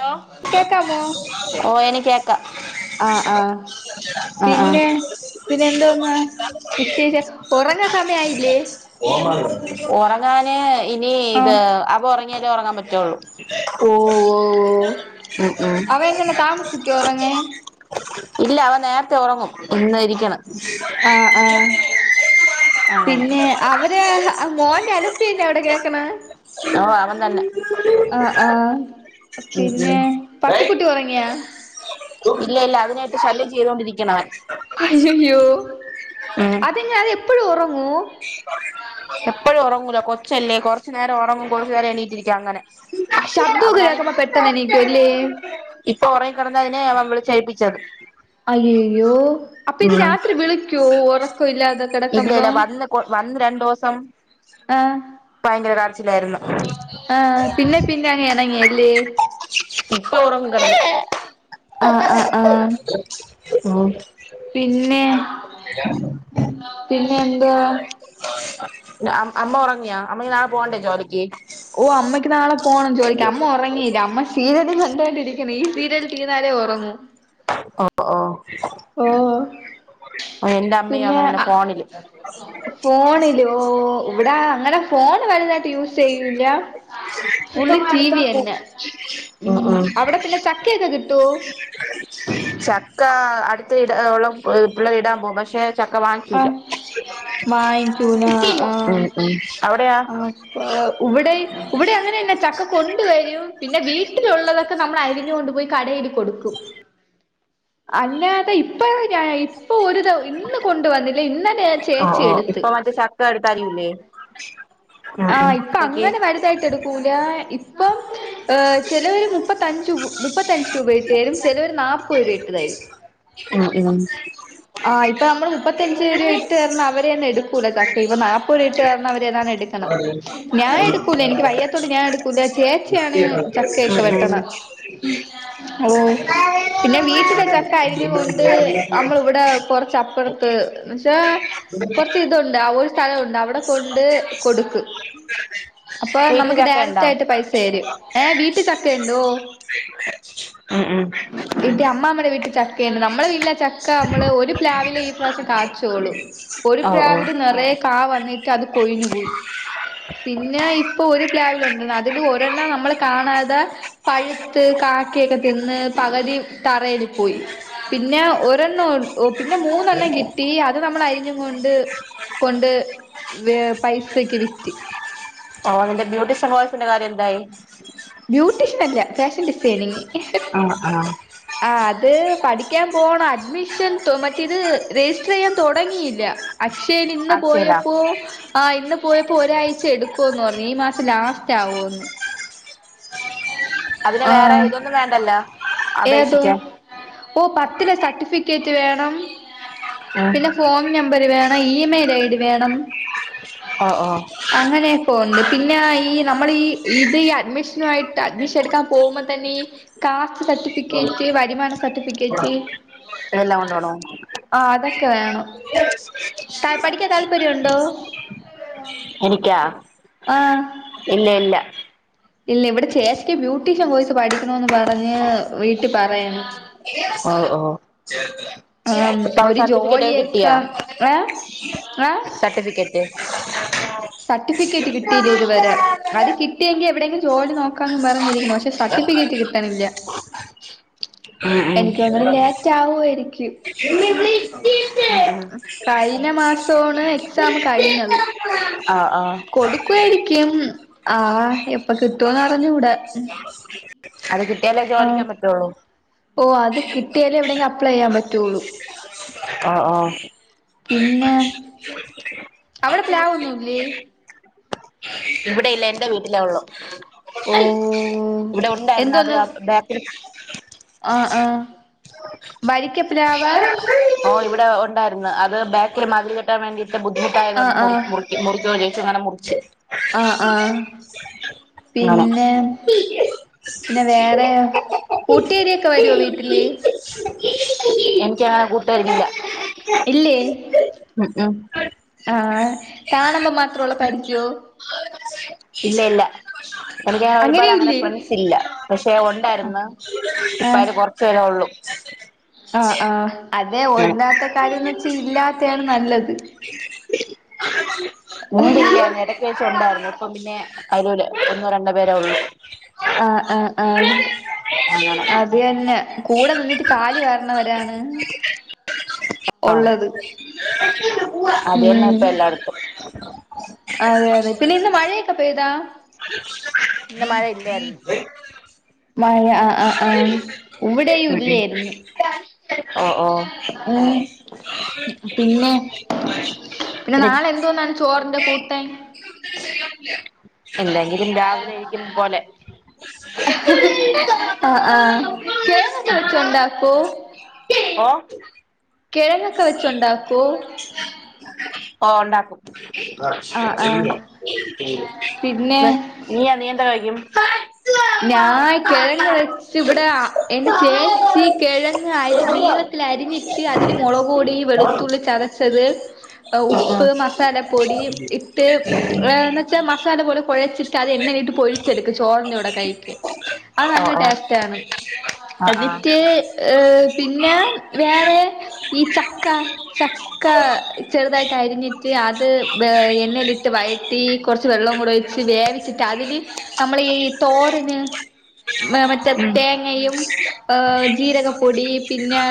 Hello കേക്കാമോ ഓ എനിക്ക് കേക്കാ. ആഹ് ആഹ് പിന്നെ പിന്നെ എന്തോന്ന. വിശേഷം ഉറങ്ങാ സമയയില്ലേ. ഉറങ്ങാന് ഇനി ഇത് അവൻ ഉറങ്ങിയാലേ ഉറങ്ങാൻ പറ്റുള്ളൂ. ഓ ഓ ഓ ഉം ഉം അവൻ എങ്ങനെ താമസിക്ഉറങ്ങാൻ. ഇല്ല അവൻ നേരത്തെ ഉറങ്ങും ഇന് ഇരിക്കണം. ആഹ് ആഹ്. അങ്ങനെ പിന്നെ അവര് മോന്റെ അലുപ്പിന്നെ അവിടെ കേക്കണ. ഓ അവൻ തന്നെ. ആ ഉം പിന്നെ പട്ടിക്കുട്ടി ഉറങ്ങിയാ? ഇല്ല ഇല്ല അതിനയിട്ട് ശല്യം ചെയ്തൊണ്ടിരിക്കണവൻ. അയയ്യോ. ഉം അതിന് അത് എപ്പോഴ ഉറങ്ങും. എപ്പോഴും ഉറങ്ങൂല കൊച്ചല്ലേ കൊറച്ചു നേരം ഉറങ്ങും കുറച്ചു നേരം എണീട്ടിരിക്ക അങ്ങനെ. ആ ശബ്ദമൊക്കെ അവനാണ്. കേൾക്കുമ്പോ പെട്ടെന്ന് എണീക്കും അല്ലേ ഇപ്പൊ ഉറങ്ങി കിടന്ന് അതിനെ വിളിചെയ്യിപ്പിച്ചത്. അയ്യ്യോ അപ്പൊ ഇത് രാത്രി വിളിക്കോ ഓറ. ഇല്ല ഇല്ല വന്ന് വന്ന് രണ്ടു ദിവസം. ആഹ് ഭയങ്കര കരച്ചിലായിരുന്നു. ആഹ് പിന്നെ പിന്നെ എണങ്ങിയല്ലേ. ഇപ്പൊ ഉറങ്ങും കെടന്ന് ആഹ് ആഹ് ആഹ് പിന്നെ പിന്നെ എന്തുവാ അമ്മ ഒറങ്ങിയാ അമ്മ നാളെ പോകണ്ടേ ജോലിക്ക്. ഓഹ് അമ്മയ്ക്ക് നാളെ പോണം ജോലിക്ക് അമ്മ ഒറങ്ങീയില്ല അമ്മ ശിരിയൽ കണ്ടോണ്ടിരിക്ക. ഈ സീരിയൽ തീർന്നാലേ ഒറങ്ങു. ഓഹ് ഓഹ് ഓഹ് അമ്മയും പിന്നെ അങ്ങനെന്നെ ഫോണില് ഫോണിയില്ലയോ ഓഹ് ഇവിടെ അങ്ങനെ ഫോൺ വലിതായിട്ട് യൂസ് ചെയ്യൂല ഫുൾ ടിവി തന്നെ ഉം അവിടെ പിന്നെ ചക്കയൊക്കെ കിട്ടുവേ ചക്ക അടുത്ത് ഉള്ള പിള്ളേർ ഇടാൻ പോ പക്ഷെ. ചക്ക വാങ്ങിച്ചിലാ ആഹ് വാങ്ങിക്കൂല ഉം അവിടെയാ. അപ്പെ ഇവടെ ഇവടെ അങ്ങനെ തന്നെ ചക്ക. കൊണ്ടുവരും പിന്നെ വീട്ടിലുള്ളതൊക്കെ നമ്മൾ അരിഞ്ഞു കൊണ്ടുപോയി കടയില് കൊടുക്കും. അല്ലാതെ ഇപ്പെ ഞാൻ ഇപ്പൊ ഒരു ഇത് ഇന്ന് കൊണ്ടുവന്നില്ല ഇന്നെലെ ഞാൻ ചേച്ചി എടുത്ത്. തടത്താരുമില്ലേ? ആഹ് ഇപ്പൊ അങ്ങനെ വലുതായിട്ട് എടുക്കൂല ഇപ്പം ഏഹ് ചെലവരു മുപ്പത്തഞ്ചു മുപ്പത്തഞ്ച് രൂപ ഇട്ട് തരും ചിലോര് നാപ്പത് രൂപ ഇട്ട്തരും. ഉം ഉം. ആഹ് ഇപ്പെ നമ്മളെ മുപ്പത്തഞ്ച് രൂപ ഇട്ട്തന്ന അവരെ തന്നെ എടുകൂല ചക്ക, ഇപ്പ നാല്പ്പത് രൂപ ഇട്ട്തന്ന അവരതാണ് എട് എടുക്കണെ, ഞാൻ എടുക്കൂല എനിക്ക് വയ്യത്തോണ്ട് ഞാൻ എടുക്കൂല ചേച്ചിയാണ് ചക്കയെക്കെ വെട്ടണത്. ഓഹ് പിന്നെ വീട്ടിലെ ചക്ക അരിഞ്ഞൊണ്ട് നമ്മൾ ഇവിടെ കൊറച്ച് അപ്പുറത്ത് എന്ന് വെച്ച കെറച്ച് ഇതുണ്ട് ആഹ് വോയി സ്ഥലം ഒണ്ട് അവിടെ കൊണ്ട് കൊടുക്ക് അപ്പൊ വീട്ടില് നമക്ക് ചക്കയുണ്ടോ ഡയറക്റ്റ് ആയിട്ട് പൈസ തരും. ഏഹ് വീട്ടിൽ ചക്ക ഒണ്ടോ? ഉം ഉം. എട്ട അമ്മമാമ്മെടെ വീട്ടിൽ ചക്കയെണ്ട്. നമ്മുടെ വീട്ടിലെ ചക്ക നമ്മള് ഒരുപ്ലവിലെ ഇപ്രാവശ്യം കായിച്ചോളു. ഒരു ഓ ഓ പ്ലാവില് നിറെ കാ വന്നിട്ട് അത് കൊഴിഞ്ഞു പോയി. പിന്നെ ഇപ്പൊ ഒരു പ്ലാവില് ഒണ്ട്, അതില് ഒരെണ്ണം നമ്മള് കാണാതെ പഴുത്ത് കാക്കയൊക്കെ തിന്ന് പകതി തറയിൽ പോയി പിന്നെ ഒര പിന്നെ മൂന്നെണ്ണം കിട്ടി അത് നമ്മൾ അരിഞ്ഞ് കൊണ്ട് കൊണ്ട് പൈസയെക്കെ വിറ്റ് ഓൺലൈനിന്റെബ്യൂട്ടിസം കോഴ്സ് ന്റെ കാര്യം എന്തായി? ബ്യൂട്ടീഷ്യൻ അല്ല, ഫാഷൻ ഡിസൈനിങ്. ആഹ് ആഹ് ആഹ് അത് പഠിക്കാൻ പോണം. അഡ്മിഷൻ മറ്റേത് രജിസ്റ്റർ ചെയ്യാൻ തെടങ്ങിയില്ല. അക്ഷയയിൽ ഇന്ന് അക്ഷയില പോയപ്പോ ആ ഇന്ന് പോയപ്പോ ഒരാഴ്ച എടുക്കുയെന്ന്പറഞ്ഞു. ഈ മാസം ലാസ്റ്റ് ആവുന്ന്. അതിന് വേറെ ആഹ് ഇതൊന്നും വേണ്ടല്ലോ അപേക്ഷിക്കാൻ ഓഹ് പത്തിലെ സർട്ടിഫിക്കറ്റ് വേണം, ഉം പിന്നെ ഫോൺ നമ്പര് വേണ ഇമെയിൽ ഐ ഡി വേണം. ഓ ഓ അങ്ങനെ പോണ്ട്. പിന്നെ ഈ നമ്മൾ ഈ ഇത് ഈ അഡ്മിഷനായിട്ട് അഡ്മിഷൻ എടുക്കാൻ പോകുമ്പ തന്നെ ഈ കാസ്റ്റ് സർട്ടിഫിക്കേറ്റ്, വരുമാന സർട്ടിഫിക്കറ്റ് ഇതെല്ലാം കൊണ്ടോണോ? ആഹ് അതൊക്കെ വേണം. പഠിക്കാൻ താല്പര്യം ഒണ്ടോ? എനിക്കാ ആഹ് ഇല്ല ഇല്ല. ഇല്ല, ഇവിടെ ചേച്ചിക്ക് ബ്യൂട്ടീഷ്യൻ കോയ്സ് പഠിക്കണമെന്ന് പറഞ്ഞ് വീട്ടിൽ പറയണ്. ഓഹ് ഓഹ് ആഹ് ഒരു സർട്ടിഫിക്കറ്റ് ഒക്കെ കിട്ടിയ? ജോലിയൊക്കെ ഏഹ് സർട്ടിഫിക്കറ്റ്. [unintelligible] സർട്ടിഫിക്കേറ്റ് കിട്ടിയില്ല ഇത് വരെ. അത് കി കിട്ടിയെങ്കിൽ എവിടെങ്കിലും ജോലി നോക്കാന്ന് പറഞ്ഞരിക്കണു. പക്ഷെ സർട്ടിഫിക്കട്ട്ണില്ല. ഉം ഉം, തോന്നുന്നു ലേറ്റ് ആവുമായിരിക്കും ഉം. കഴിഞ്ഞ മാസമാണ് എക്സാം കഴിഞ്ഞത്. ആഹ് ആഹ് കൊടുക്കായിരിക്കും. ക്കും. ആഹ്, എപ്പൊ കിട്ടുവന്ന് അറിഞ്ഞൂട. അത് കിട്ടിയാല ജോലിക്കോവാൻ പറ്റുള്ളൂ? ഓ, അത് കിട്ടിയാലേ എവിടെയെങ്കി അപ്ളെ ചെയ്യൻ പറ്റയുള്ളൂ. ഒ ഓ. പിന്നെ... അവിടെ പ്ലാവൊന്നില്ലേ? ഇവിടെ ഇല്ല. എ്ന്റെ വീട്ടില ഉള്ളു. ഓ ഇവിടെ ഉണ്ടായിരുന്നു അത് ബാ ആ ആഹ. ഓ ഇവിടെ ഉണ്ടായിരുന്നു അത് ബാക്കില് മതിൽ കെട്ടാൻ വേണ്ടിട്ട്. ബുദ്ധിമുട്ടായതോണ്ട് ആഹ് മുർ ആഹ് മുർ മുറിച്ചോരെച്ച്, അങ്ങനെ മുറിച്ച്. ആ ആ അങ്ങനെ പിന്നെ പിന്നെ വേറെയോ കൂട്ടിയേരിയൊക്കെ വരുവോ വീട്ടില് എനിക്കാ കൂട്ടരില്ല ഇല്ലേ ആഹ് കാണുമ്പോ മാത്രേ ഉള്ളോ പരിചയോ ഇല്ല ഇല്ല എനിക്കങ്ങെ ഒരുപാട് അങ്ങനെ അങ്ങനെയുല്ലേ ഫ്രണ്ട്സ് ഇല്ല പക്ഷെ ഉണ്ടായിരുന്നു ഇപ്പ ആഹ് അല് കുറച്ചുപേരേ ഉള്ളു. ആ ആ അതെ ഉം ഒന്നാത്തെ കാര്യംന്ന് വെച്ചാ ഇല്ലാത്തെയാണ് നല്ലത്. മുമ്പില്ലാ ഇടക്ക് [unintelligible] ഉണ്ടാരുന്നു ഇപ്പ പിന്നെ [unintelligible] ഒന്നോ രണ്ടു പേരേ ഉള്ളൂ. ആഹ് ആഹ് ആഹ് അങ്ങനെ അത് തന്നെ കൂടെ നിന്നിട്ട് കാലി വാരണവരാണ് ആഹ് ഒള്ളത് അത് തന്നെ ഉം ഇപ്പ എല്ലായിടത്തും. അതെ അതെ പിന്നെ ഇന്ന് മഴയൊക്കെ പെയ്താ ഇന്ന് മഴ ഇല്ലായിരുന്നു. മഴ ആ ആ് ആ ഇവിടെയും ഉം ഇല്ലെയിരുന്നു. [inaudible] ഓ ഉ പിന്നെ പിന്നെ നാളെ എന്തോന്നാണ് ചോറിന്റെ കൂട്ടൻ [inaudible] എന്തെങ്കിലും രാവിലെ എണീക്കുന്ന പോലെ ആ ആ കേങ്ങൊക്കെ വെച്ച് ഉണ്ടാക്കൂ ഓ കിഴങ്ങൊക്കെ വെച്ചുണ്ടാക്കോ ഓ ഉണ്ടാക്കും ആഹ് ആഹ് [unintelligible] പിന്നെ നീ നീ എന്താ കഴിക്കും ഞാൻ കിഴങ്ങ് വെച്ച് ഇവിടെ അ എന്റെ ചേച്ചി കിഴങ്ങ് അരി നീള ളത്തിലരിഞ്ഞിട്ട് അതില് മുളകോടി, വെളുത്തുള്ളി ചതച്ചത് ഓ ഉപ്പ്, മസാലപ്പൊടി ഇട്ട് ഏ ന്ന് വച്ചാൽ മസാല പോലെ കൊഴച്ചിട്ട് അത് എണ്ണെലിട്ട് പൊരിച്ചെടുക്കും ചോറിന്റെ കൂടെ കഴിക്ക് അത് ഓ നല്ല ടേസ്റ്റ് ആണ് ആ ആ എന്നിട്ട് ഏ പിന്നെ വേറെ ഈ ചക്ക ചക് ക്ക ചെറുതായിട്ട് അരിഞ്ഞിട്ട് അത് വെ എണ്ണയിലിട്ട് വഴറ്റി കുറച്ച് വെള്ളം കൂടി ഒഴിച്ച് വേവി [unintelligible] അതിന് നമ്മളീ ഈ തോരന് മറ്റേ ഉം തേങ്ങയും ആഹ് ജീരകപ്പൊടി പിന്നെ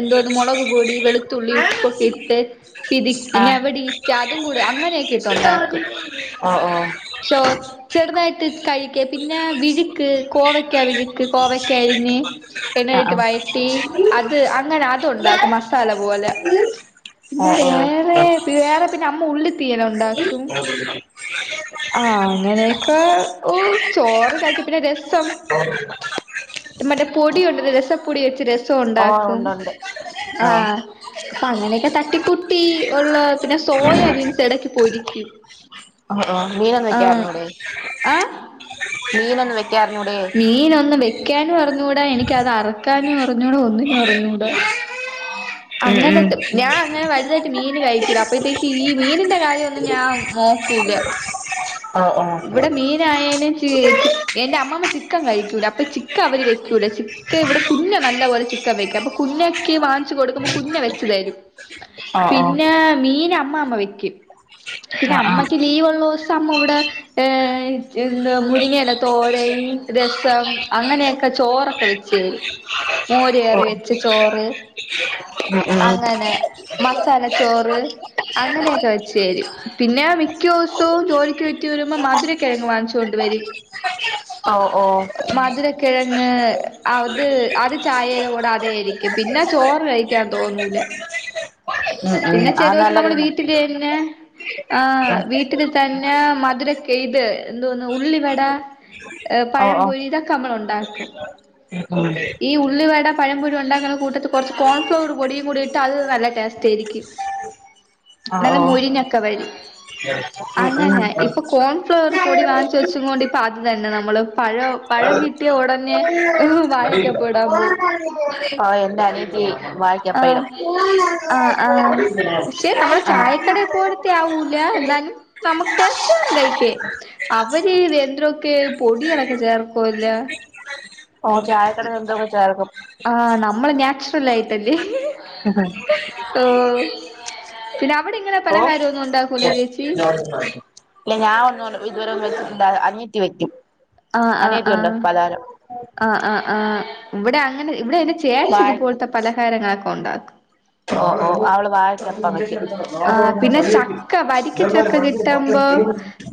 എന്തോന്ന് മുളക് പൊടി വെളു ത്തുള്ളി ഉപ്പൊക്കെ ഇട്ട് ആ [unintelligible] അതും കൂടെ അങ്ങനെയൊക്കെ ഇട്ട് ഉണ്ടാക്കും. ഓ ഓ ചോ ചെറുതായിട്ട് കഴിക്ക് പിന്നെ വിഴുക്ക് കോവയ്ക്കാ വിഴുക്ക് കോവക്കായരിഞ്ഞ്. ആ എണ്ണയിലിട്ട് ആ വയറ്റി അത് അങ്ങനെ അത് ഉണ്ടാക്കും മസ്റ്റ് മസാല പോവല്ല പിന്നെ ആഹ് ഓഹ് വേറെ വേറെ പിന്നെ അമ്മ ഉള്ളി [inaudible] ആഹ അങ്ങനെയൊക്കെ ഉ ചോറ് കായിക്കും പിന്നെ രസം [inaudible] മറ്റേ പൊടി ഉണ്ട് രസപ്പൊടി വെച്ച് രസം ആഹ് ഉണ്ടാക്കും ഉണ്ടുണ്ട് ആഹ് അപ്പൊ അങ്ങനെയൊക്കെ തട്ടിക്കുട്ടി ഉള്ള പിന്നെ സോയാ ബീൻസ് ഇടക്ക് പൊരിക്കും [inaudible] ആ ആ മീന ആഹ് ആഹ് മീനൊന്നും വെക്കാനറിഞ്ഞൂടെ? മീനൊന്നും വെക്കാനും അറഞ്ഞുകൂടാ എനിക്ക് അത് അറക്കാനും അറിഞ്ഞൂടാ ഒന്നിനും അറിഞ്ഞൂടാ ഉം അങ്ങനെതെ ഞാൻ അങ്ങനെ വലുത മീന് കഴിക്കൂല അപ്പഴത്തേക്ക് ഈ മീനിന്റെ കാര്യം ഒന്നും ഞാൻ നോക്കൂല ഉം ഓഹ് ഇവിടെ മീനായാലും ചിക് - എന്റെ അമ്മമ്മ ചിക്കൻ കഴിക്കൂല അപ്പൊ ചിക്ക അവര് വെക്കൂല ചിക്ക ഇവിടെ കുഞ്ഞ നല്ല പോലെ ചി- ക്ക വെക്കും അപ്പ കുഞ്ഞക്കെ വാങ്ങിച്ച കൊടുക്കുമ്പോ കുഞ്ഞ വെച്ച് തരും ഓഹ് ഓഹ് ഓഹ് പിന്നെ മീന അമ്മാമ വെ- ക്കും പിന്നെ ആഹ് ആഹ് അമ്മയ്ക്ക് ലീവ്ള്ള ദിവസം അമ്മ ഇവിടെ ഏ എന്ത് മുരിങ്ങയിടെ തോരൻ രസം അങ്ങനെയൊക്കെ ചോറൊക്കെ വെച്ച് തരും മോരികറി ഓഹ് വെച്ച് ചോറ് അങ്ങനെ [inaudible] മസാല ചോറ് അങ്ങനെയൊക്കെ വെച്ചുതരും പിന്നെ മിക്ക ദിവസവും ജോലിക്ക് പറ്റിരു മ്മ മധുര കിഴങ്ങ് വാങ്ങിച്ചുകൊണ്ട് വരും ഓ ഓ മധുരക്കിഴങ്ങ് അത് അത് ചായയുടെ കൂടെ അതെരിക്കും പിന്നെ ചോറ് കഴ ഴിക്ക തോന്നൂല ഉം ഉം പിന്നെ ചെലൊ അത് ദിവസം നല്ലത് നമ്മടെ തന്നെ വീട്ടിലെന്നെ ആഹ് വീട്ടിൽ തന്നെ മധുരക്ക ഇത് എന്തോന്ന ഉള്ളി വട ഓഹ് ഓഹ് പഴംപൊഴി ഇതൊക്കെ നമ്മള് ഉണ്ടാക്കും ഉം ഈ ഓഹ് ഉള്ളിവട പഴംപൊരി ഉണ്ടാക്കുന്ന കൂട്ടത്ത് കുറച്ച് കോൺഫ്ലോർ പൊടിയും കൂടിയിട്ട് അത് നല്ല ടേസ്റ്റ് ആയിരിക്കും നല്ല ഓഹ് മൊരിഞ്ഞൊക്കെ വരും അങ്ങനെ ഉം ഇപ്പൊ കോൺ- ൺഫ്ലർ പൊടി വാങ്ങിച്ച് ഉം വെച്ചും കൊണ്ട് ഇപ്പ അത് തന്നെ നമ്മള് പഴം പഴം കിട്ടിയ ഉടനെ വായിക്കപ്പെടാൻ പോ ആഹ് എന്റെ അനിയത്തിയെ വായക്കപ്പയം ആഹ് ആഹ് ആഹ് പക്ഷെ നമ്മളെ ആ ചായക്കട [unintelligible] എന്നാലും നമുക്ക് ടേസ്റ്റ്ൻ കഴിക്കേ അവര് വെൺട്രോക്കെ പൊടിയാളക്കെ ചേർക്കൂല [unintelligible] ചേർക്കും ആ നമ്മള് നാച്ചറൽ ആയിട്ടല്ലേ [unintelligible] ഓ പിന്നെ അവിടെ ഇങ്ങനെ ഓ പലഹാരമൊന്നും ഉണ്ടകൂലേ ചേച്ചി? [unintelligible] ഇല്ല ഞാൻ ഒന്നും ഇതുവരെ വെച്ചിട്ടില്ല അനിയത്തി വെക്കും. അനിയത്തിയുണ്ട് പലഹാരം ആ ആ ആ ഇവടെ അങ്ങനെ ഇവിടെ അന്റെ ചേച്ചി വാഴ ഇതുപോലത്തെ പലഹാരങ്ങളൊക്കെ ഉണ്ടാക്കും. ഓ ഓ അവള് വാഴക്കപ്പാ വെക്കല് ആ പിന്നെ ചക്ക വരിക്കച്ചക്ക കിട്ടുമ്പോ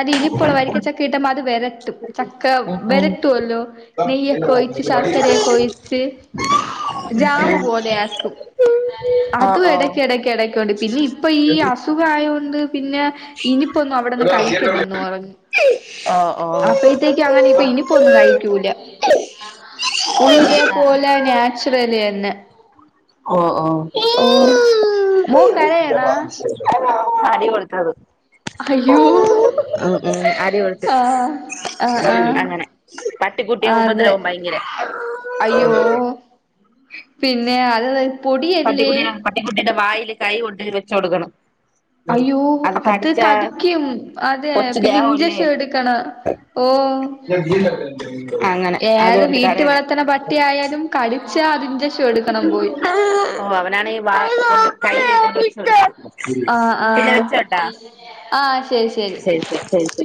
അതിഇനിപ്പുള്ള വരിക്കച്ചക്ക കിട്ട്മ്പോ അത് വെര ട്ടും ചക്ക ഉം വരട്ടുവല്ലോ നെയ്യൊക്കെ ഒഴിച്ച് ശർക്കരയൊക്കെ ഒഴിച്ച് ജാമു ഉം പോലെ ആക്കും അതും എടക്ക് എടക്ക് എടക്കുണ്ട് പിന്നെ ഇപ്പൊ ഈ അസുഖയൊണ്ട് പിന്നെ ഇനിപ്പോ ഒന്നും അവിടെന്ന് കഴിക്കല്ലന്ന് പറഞ്ഞു അപ്പഴത്തേക്ക് ക്കാണ് ഇപ്പ ഇനിപ്പോ ഒന്നും കഴിക്കൂല ഉള്ളുതേ പോലെ നാച്ചുറല് തന്നെ ഓഹ് ഓഹ് ഓ മോൻ കരയാ [unintelligible] അടി കൊടുത്തത് അയ്യോ ഉം ഉം അടി കൊടുത്ത് ആഹ് ആഹ് ആഹ് അങ്ങനെ പട്ടിക്കുട്ടിയെ അതെ ഉപദ്രവം ഭയങ്കര അയ്യോ പിന്നെ അത് പൊടിയല്ലേ പട്ടിക്കുട്ടിയ പട്ടിക്കുട്ടിയുടെ വായിൽ കൈ കൊണ്ട് വെച്ച കൊടുക്കണം അയ്യോ അത് കടിക്കും അതെ കൊച്ചു പിന്നെ ദേഹവല്ലേ ഇഞ്ചക്ഷൻ എടുക്കണം. ഓ അങ്ങനെ ഏത് അതുകൊണ്ട് വീട്ട കരയണേ വളർത്തണ പ പട്ടി ആയാലും കടിച്ചാ അതിൻറെ ഓ അവനാണ് ങ്കി [unintelligible] ആ ആഹ ആഹ ശരി ശരി ശരി